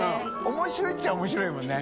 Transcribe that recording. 面白いっちゃあ面白いもんね。